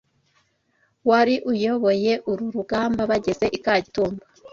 wari uyoboye uru rugamba Bageze i Kagitumba